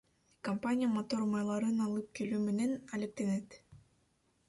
Компания мотор майларын алып келүү менен алектенет.